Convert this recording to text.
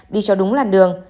đi cho đúng làn đường